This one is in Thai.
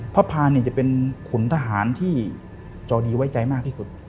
พาเนี่ยจะเป็นขุนทหารที่จอดีไว้ใจมากที่สุด